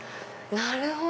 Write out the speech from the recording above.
なるほど！